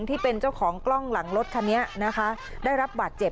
ที่เป็นเจ้าของกล้องหลังรถคันนี้นะคะได้รับบาดเจ็บ